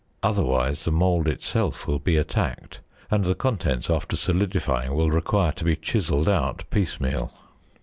Otherwise the mould itself will be attacked, and the contents after solidifying will require to be chiselled out piecemeal.